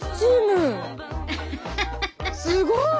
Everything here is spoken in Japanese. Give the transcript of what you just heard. すごい。